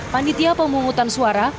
panitia pemungutan suara